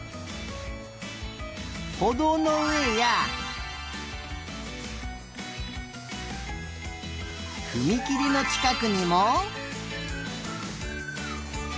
ほどうのうえやふみきりのちかくにも。